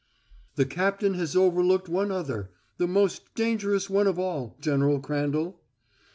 "The captain has overlooked one other the most dangerous one of all, General Crandall."